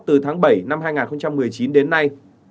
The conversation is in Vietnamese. từ tháng bảy năm hai nghìn một mươi chín đến nay